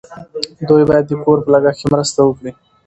دوی باید د کور په لګښت کې مرسته وکړي.